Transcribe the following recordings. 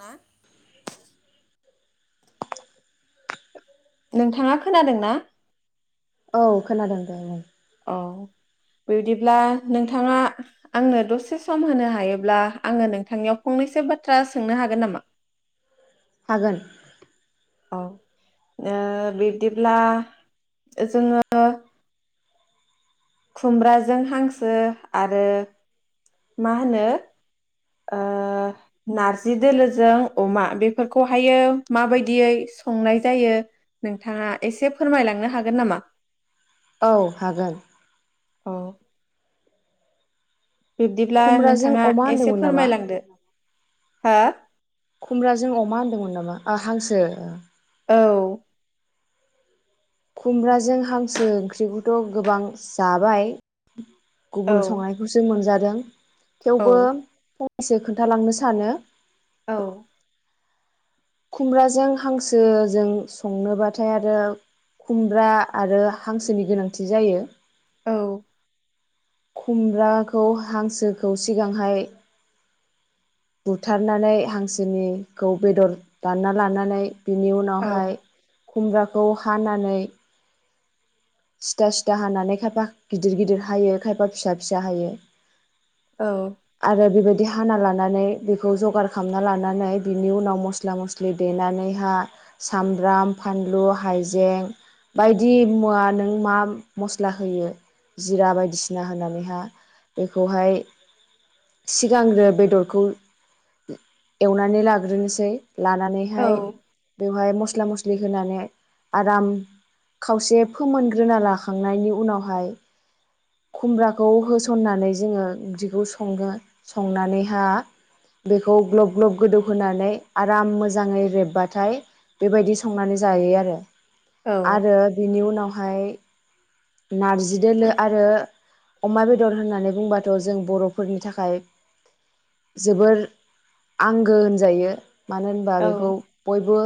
मा नोंथाङा खोनादों ना औ खोनादों देबुं औ बिदिब्ला नोंथाङा आंनो दसे सम होनो हायोब्ला आङो नोंथांनियाव फंनैसो बाथ्रा सोंनो हागोन नामा हागोन औ ओ बिब्दिब्ला जोङो खुमब्राजों हांसो आरो मा होनो ओ नारजि दोलोजों अमा बेफोरखौहायो माबायदियै संनाय जायो नोंथाङा एसे फोरमायलांनो हागोन नामा औ हागोन औ बिब्दिब्ला खुमब्राजों नोंथाङा अमा एसे होनदोंमोन नामा फोरमायलांदो हा खुमब्राजों अमा होनदोंमोन नामा हांसो औ खुमब्राजों हांसो ओंख्रिखौथ' गोबां जाबाय औ गुबुन संनायखौसो मोनजा दों थेवबो औ एसे खोन्थालांनो सानो औ खुमब्राजों हांसोजों संनोबाथाय आरो खुमब्रा आरो हांसोनि गोनांथि जायो औ खुमब्राखौ हांसोखौ सिगांहाय बुथारनानै हांसोनिखौ बेदर दानना लानानै बिनि औ उनावहाय खुमब्राखौ हानानै सिथा सिथा हानानै खायफा गिदिर गिदिर हायो खायफा फिसा फिसा हायो औ आरो बेबाय दि हाना लानानै बेखौ जगार खालामना लानानै बिनि उनाव मस्ला मस्लि देनानैहा सामब्राम फानलु हाइजें बायदि मुवा नों मा मस्ला होयो जिरा बायदिसिना होनानैहा बेखौहाय सिगांग्रो बेदरखौ एवनानै लाग्रोनोसै। औ लानानैहाय बेवहाय मसला मस्ला मस्लि होनानै आराम खावसे फोमोनग्रोना लाखांनायनि उनावहाय खुमब्राखौ होसननानै जोङो ओंख्रिखौ सं सङो संनानैहा बेखौ ग्लब ग्लब गोदौ होनोनानै आराम मोजाङै रेबबाथाय बेबायदि संनानै जायो आरो। औ आरो बिनि उनाव हाय नारजि दोलो आरो अमा बेदर होननानै बुंबाथ' जों बर' फोरनि थाखाय जोबोर आंगो होनजायो। मानो होनबा औ बेखौ बयबो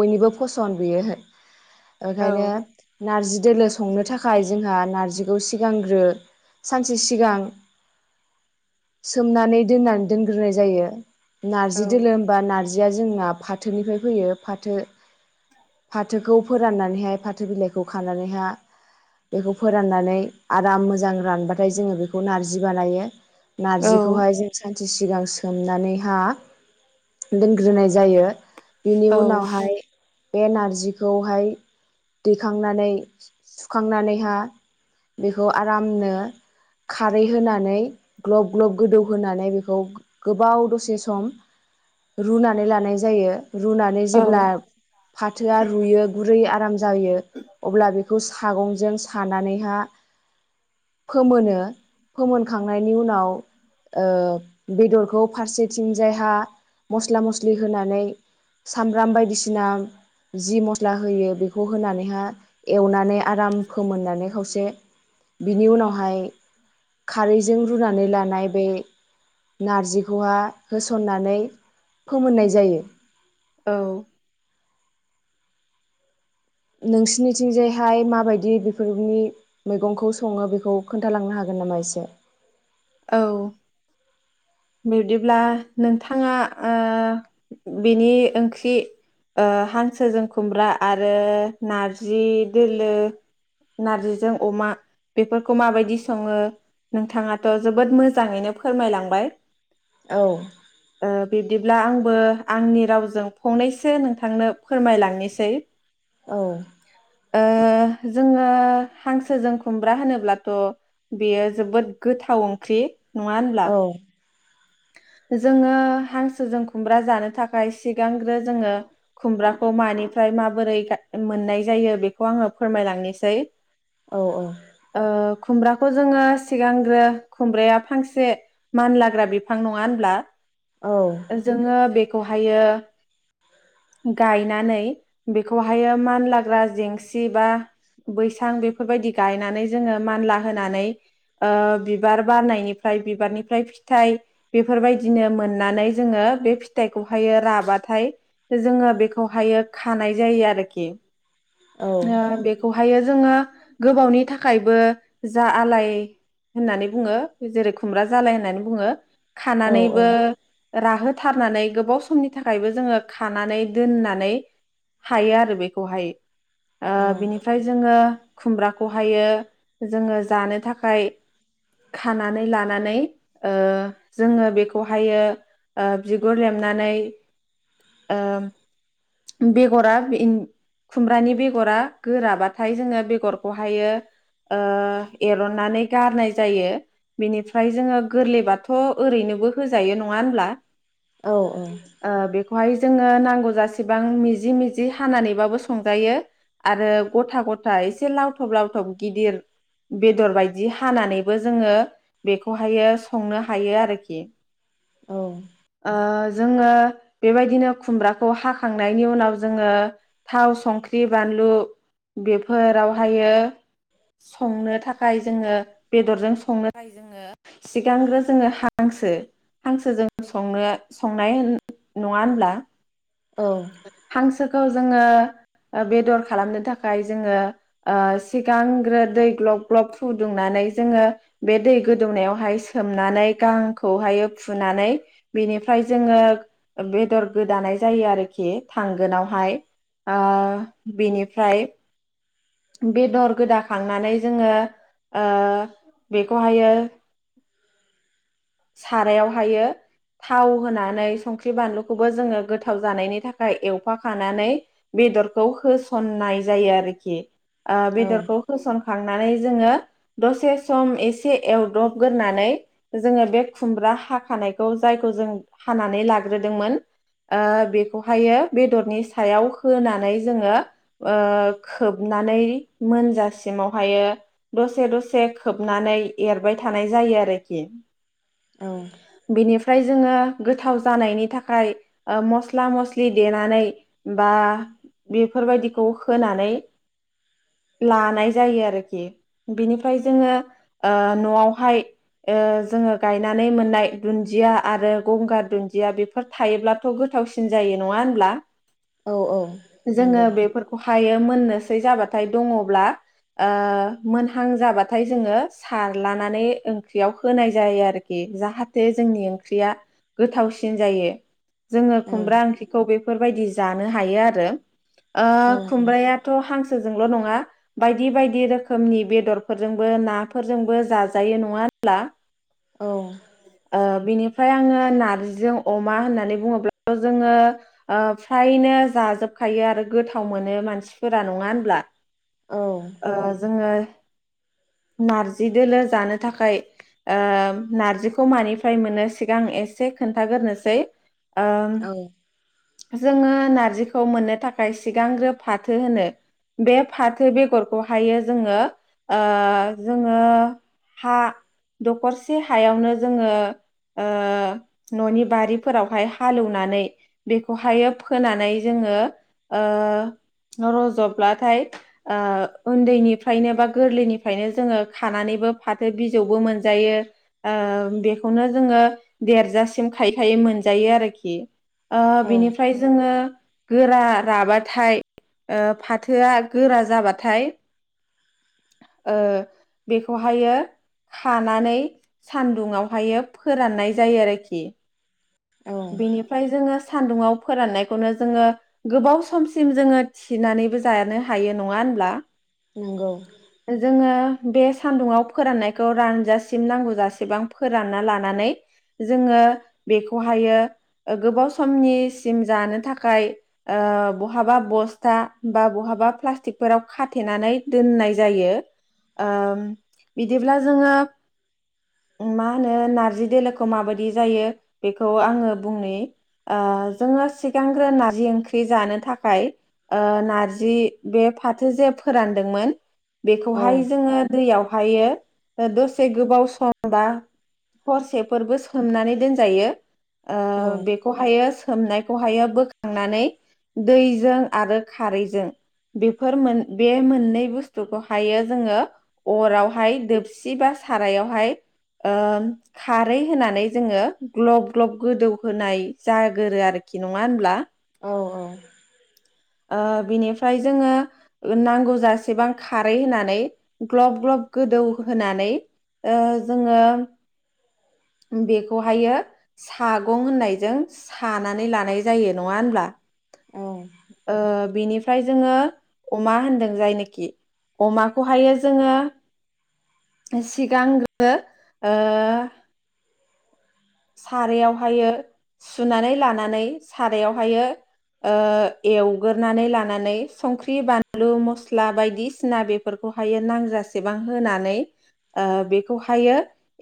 बयनिबो फसन बेयो। ओंखायनो नारजि दोलो संनो थाखाय जोंहा नार्जिखौ सिगांग्रो सानसे सिगां सोमनानै दोननानै दोनग्रोनाय जायो। नार्जि औ दोलो होनबा नारजिया जोंना फाथोनिफ्राय फैयो फाथो फाथोखौ फोराननानैहाय फाथो बिलाइखौ खानानैहाय बेखौ फोराननानै आराम मोजां रानबाथाय जोङो बेखौ नारजि बानायो। औ नारजिखौहाय जों सानसे सिगां सोमनानैहा दोनग्रोनाय जायो। बिनि उनावहाय बे नारजिखौहाय दैखांनानै सुखांनानैहा बेखौ आरामनो खारै होनानै ग्लब ग्लब गोदौहोनानै बेखौ गोबाव दसे सम रुनानै लानाय जायो। रुनानै जेब्ला औ फाथोआ रुयो गुरै आराम जायो अब्ला बे बेखौ सागंजों सानानैहा फोमोनो फोमोनखां बेनि उनाव ओ बेदरखौ फारसेथिंजायहा मस्ला मस्लि होनानै सामब्राम बायदिसिना जि मस्ला होयो बेखौ होनानैहाय एवनानै आराम फोमोननानै खावसे बिनि उनावहाय रुनानै लानाय बे नारजि खौहा गो थुसननानै फोमोननाय जायो। औ नोंसिनिथिंजायहाय माबायदि बेफोरनि मैगंखौ सङो बेखौ खोन्थालांनो हागोन नामा एसे? औ बिब्दिब्ला नोंथाङा बेनि ओंख्रि हांसोजों खुमब्रा आरो नारजि दोलो नारजिजों अमा बेफोरखौ माबायदि सङो नोंथाङा थ' जोबोद मोजाङैनो फोरमायलांबाय। औ बिब्दिब्ला आंबो आंनि रावजों फंनैसो नोंथांनो फोरमायलांनोसै। औ जोङो हांसोजों खुमब्रा होनोब्लाथ' बेयो जोबोद गोथाव ओंख्रि। नङा होनब्ला? औ जोङो हांसोजों खुमब्रा जानो थाखाय सिगांग्रो जोङो खुमब्राखौ मानिफ्राय माबोरै मोननाय जायो बेखौ आङो फोरमायलांनोसै औ औ ओ खुमब्राखौ जोङो सिगांग्रो खुमब्राया फांसे मानलाग्रा बि फां नङा होनब्ला औ जोङो बे खौहायो गायनानै बेखौहायो मानलाग्रा जेंसि बा बैसां बेफोरबायदि गायनानै जोङो मानला होनानै बिबार बारनायनिफ्राय बिबारनिफ्राय फिथाइ बेफोरबायदिनो मोननानै जोङो बे फिथाइखौहायो राबाथाय जोङो बेखौहायो खानाय जायो आरोखि ओ औ बेखौ हायो जोङो गोबावनि थाखायबो जा आलाय होननानै बुङो जेरै खुमब्रा जालाय होननानै बुङो। खानानैबो औ राहोथारनानै गोबाव समनि थाखायबो जोङो खानानै दोननानै हायो आरो बेखौहाय ओ औ बिनिफ्राय जोङो खुमब्राखौहायो जोङो जानो थाखाय खानानै लानानै जोङो ओ बेखौहायो ओ बिगुर लेमनानै ओ बेगरा खुमब्रानि बेगरा गोराबाथाय जोङो बेगरखौहायो ओ एरननानै गारनाय जायो बिनिफ्राय जोङो गोरलैबाथ' ओरैनोबो होजायो नङा होनब्ला? औ ओ बेखौहाय जोङो नांगौ जसेबां मिजि मिजि हानानैबाबो संजायो आरो गथा गथा एसे लावथब लावथब गिदिर बेदर बायदि हानानै बो जोङो बेखौहायो संनो हायो आरोखि औ ओ जोङो बेबायदिनो खुमब्राखौ हाखांनायनि उनाव जोङो थाव संख्रि बानलु बेफोरावहायो संनो थाखाय जोङो बेदरजों संनो जायो जोङो सिगांग्रो जोङो हांसो हांसोजोंंनो संनाय नङा होनब्ला औ हांसो फोरखौ जोङो बेदर खालामनो थाखाय जोङो सिगांग्रो दै ग्लब ग्लब फुदुंनानै जोङो बे दै गोदौनायावहाय सोमनानै गांखौहाय फुनानै बिनिफ्राय जोङो बेदर गोदानाय जायो आरोखि थांगोनावहाय ओ बिनिफ्राय बेदर गोदाखांनानै जोङो आ बेखौहायो सारायावहायो थाव होनानै संख्रि बानलुखौबो जोङो गोथाव जानायनि थाखाय एवफा खानानै बेदरखौ होसननाय जायो आरोखि ओ बेदरखौ होसन खांनानै जोङो दसे सम एसे एवदबग्रोनानै जोङो बे खुमब्रा हाखानायखौ जायखौ जों हानानै लाग्रोदोंमोन बेखौहायो बेदरनि सायाव होनानै जोङो खोबनानै मोनजासिमावहायो दसे दसे खोबनानै एरबाय थानाय जायो आरोखि औ फ्राय जोङो गोथाव जानायनि थाखाय मस्ला मस्लि देनानै बा बेफोरबायदिखौ होनानै लानाय जायो आरोखि बेनिफ्राय जोङो आ न'आवहाय जोङो गायनानै मोननाय दुन्दिया आरो गंगार दुन्दिया बेफोर थायोब्लाथ' गोथावसिन जायो नङा होनब्ला? जोङो बेफोरखौ हायो मोननोसै जाबाथाय दङब्ला आ मोनहां जाबाथाय जोङो सारलानानै ओंख्रियाव होनाय जायो आरो खि जाहाथे जोंनि ओंख्रिया गोथावसिन जायो। जोङो खुमब्रा ओंख्रिखौ बे फोरबायदि जानो हायो आरो आ खुमब्रायाथ' हां सो जोंल' नङा बायदि बायदि रोखोमनि बेदरफोरजोंबो नाफोरजोंबो जाजायो नङा होनब्ला? [inaudible] ओ बिनिफ्राय आङो नारजिजों अमा होननानै बुङोब्लाथ' जोङो ओ फ्रायनो जाजोबखायो आरो गोथाव मोनो मानसिफोरा नङा होनब्ला? ओ जोङो नारजि दोलो जानो थाखाय ओ नारजिखौ मानिफ्राय मोनो सिगां एसे खोन्थाग्रोसै ओम जोङो नारजिखौ मोननो थाखाय सिगांग्रो फाथो होनो बे फाथो बेगरखौहायो जोङो ओ जोङो हा दखर से हायावनो जोङो ओ न'नि बारिफोरावहाय हालेवनानै बेखौहायो फोनानै जोङो ओ रज'ब्लाथाय ओ उन्दैनिफ्रायनो बा गोरलैनिफ्रायनो जोङो खानानैबो फाथो बिजौबो मोनजायो ओ बेखौनो जोङो देरजासिम खायै खायै मोनजायो आरोखि ओ औ बिनिफ्राय जोङो गोरा राबाथाय ओ फाथोआ गोरा जाबाथाय ओ बेखौहायो खानानै सानदुंआवहायो फोराननाय जायो आरोखि औ बेनिफ्राय जोङो सान्दुुआव फोराननायखौनो जोङो गोबाव समसिम जोङो थिनानैबो जानो हायो नङा होनब्ला नंगौ जोङो बे सान्दुङाव फोराननायखौ रानजासिम नांगौ जासेबां फोरानना लानानै जोङो बेखौ खौहायो गोबाव समनिसिम जानो थाखाय ओ बहाबा बस्था बा बहाबा प्लास्टिकफोराव खाथेनानै दोननाय जायो ओ बिदिब्ला जोङो मा होनो नारजि दोलोखौ माबादि जायो बेखौ आङो बुंनि ओ जोङो सिगांग्रो नारजि ओंख्रि जानो थाखाय ओ नारजि बे फाथो जे फोरानदोंमोन औ बेखौहाय औ जोङो दैआव हायो दसे गोबाव सम बा हरसेफोरबो सोमनानै दोनजायो औ ओ बेखौहायो सोमनाय बेखौहायो बोखांनानै दैजों आरो खारैजों बेफोर मोन बे मोननै बुस्थुखौहायो जोङो अरावहाय दोबसि बा सारायावहाय ओ खारै होनानै जोङो ग्ल'ब ग्लब गोदौ होनाय जागोरो आरो खि नंआ होनब्ला औ औ ओ बिनिफ्राय जोङो नांगौ जसेबां खारै होनानै ग्ल'ब ग्ल'ब गोदौ होनानै ओ जोङो बेखौहायो सागं होननायजों सानानै लानाय जायो नङा होनब्ला औ ओ बिनिफ्राय जोङो अमा होनदों जायनाखि अमाखौहायो जोङो सिगांग्रो ओ सारायावहायो सुनानै लानानै सारायावहायो ओ एवगोरोनानै लानानै संख्रि बानलु मस्ला बायदिसिना बेफोरखौहायो नांजासेबां होनानै ओ बेखौहायो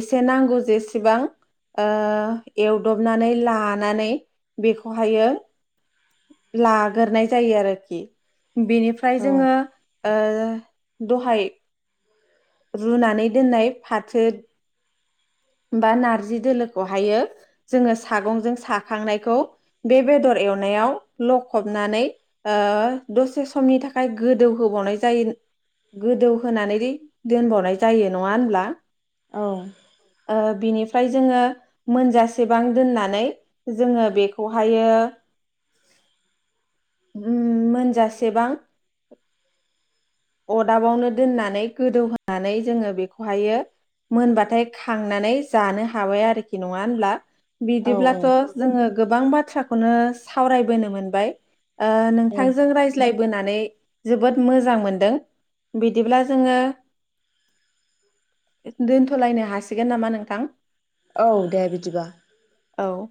एसे नांगौ जेसेबां ओ एवदबनानै लानानै बेखौहायो लाग्रोनाय जायो आरोखि बिनिफ्राय जोङो ओ दहाय रुनानै दोननाय फाथो बा नारजि दोलोखौहायो जोङो सागंजों साखांनायखौ बे बेदर एवनायाव लखबनानै ओ दसे समनि थाखाय गोदौहोबावनाय जायो गोदौ होनोनानै दोनबावनाय जायो नङा होनब्ला बिनिफाय जोङो मोनजासेबां दोननानै जोङो बेखौहायो मोनजासेबां अदाबावनो दोननानै गोदौहानै जोङो बेखौहायो मोनबाथाय खांनानै जानो हाबाय आरोखि नङा होनब्ला औ बिदिब्लाथ' जोङो गोबां बाथ्रा थ्राखौनो सावरायबोनो मोनबाय ओ औ नोंथांजों रायज्लाय बोनानै जोबोद मोजां मोन दों बिदिब्ला जोङो दोनथ'लायनो हासिगोन नामा नोंथां औ दे बिदिबा औ